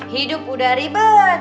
hidup udah ribet